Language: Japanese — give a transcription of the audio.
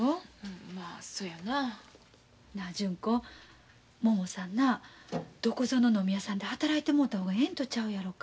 純子ももさんなどこぞの飲み屋さんで働いてもろた方がええんとちゃうやろか。